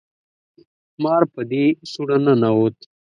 مار په دې سوړه ننوت